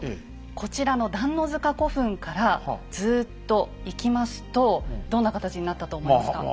こちらの段ノ塚古墳からずといきますとどんな形になったと思いますか？